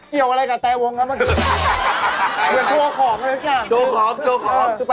เกี่ยวอะไรกับแตวงครับเมื่อกี้